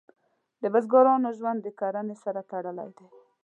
د بزګرانو ژوند د کرنې سره تړلی دی.